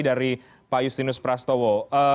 dari pak justinus prastowo